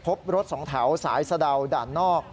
พบรถสองแถวสายสะดาวด่านนอก